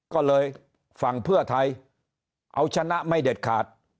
ก็เลยฝั่งเพื่อไทยเอาชนะไม่เด็ดขาด